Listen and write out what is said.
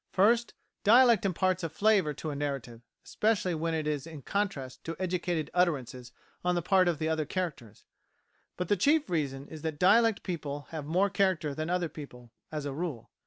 First, dialect imparts a flavour to a narrative, especially when it is in contrast to educated utterances on the part of other characters. But the chief reason is that dialect people have more character than other people as a rule.